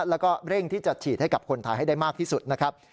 แล้วก็เร่งที่จะฉีดให้กับคนไทยให้ได้มากที่สุดนะครับ